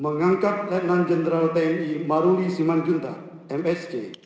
mengangkat lieutenant jenderal tni maruli simanjuntak msc